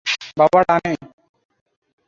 বাবা, ডানে।